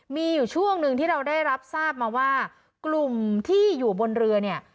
มีอยู่ช่วงหนึ่งที่เราได้รับทราบมาว่ากลุ่มที่อยู่บนเรือเนี่ย